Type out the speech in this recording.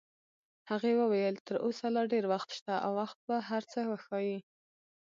هغې وویل: تر اوسه لا ډېر وخت شته او وخت به هر څه وښایي.